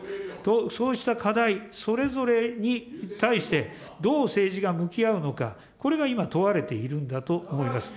それを、そうした課題、それぞれに対して、どう政治が向き合うのか、これが今、問われているんだと思います。